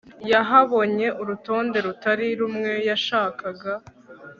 yahabonye urutonde rutari rumwe yashakaga